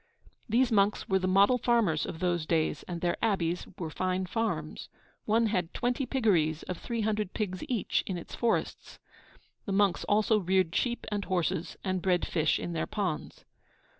These monks were the model farmers of those days, and their abbeys were fine farms. One had twenty piggeries, of three hundred pigs each, in its forests. The monks also reared sheep and horses, and bred fish in their ponds.